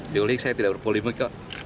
diulik saya tidak berpolemik kok